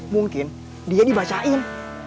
mungkin dia dibacain